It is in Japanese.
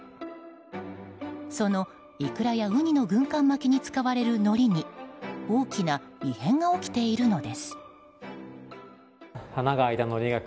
そのイクラやウニの軍艦巻きに使われるのりに大きな異変が起きているのです。